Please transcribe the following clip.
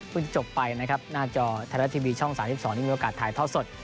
จบไปนะครับหน้าจอไทยรัฐทีวีช่อง๓๒ที่มีโอกาสถ่ายทอดสด